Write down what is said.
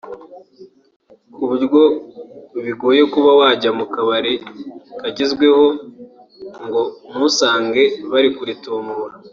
kuburyo bigoye kuba wajya mu kabari kagezweho ngo ntusange bari kuritumura